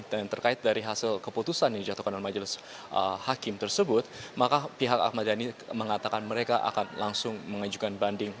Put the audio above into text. dan terkait dari hasil keputusan yang dijatuhkan oleh majelis hakim tersebut maka pihak ahmad dhani mengatakan mereka akan langsung mengajukan banding